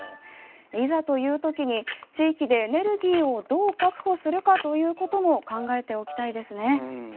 いざという時に地域でエネルギーをどう確保するかということも考えておきたいですね。